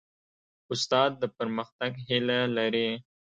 استاد د پرمختګ هیله لري.